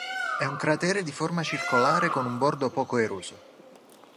È un cratere di forma circolare con un bordo poco eroso.